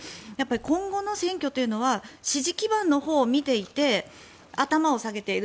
今後の選挙というのは支持基盤のほうを見ていて頭を下げている。